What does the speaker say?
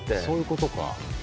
そういうことか。